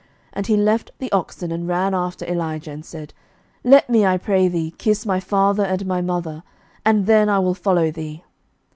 11:019:020 And he left the oxen, and ran after Elijah, and said, Let me, I pray thee, kiss my father and my mother, and then I will follow thee.